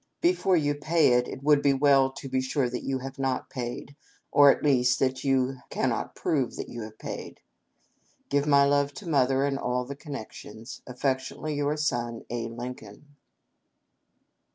Before you pay it, it would be well to be sure you have not paid, or at least that you cannot prove you have paid it. " Give my love to Mother and all the Connections. " Affectionately, your son, "A. Lincoln."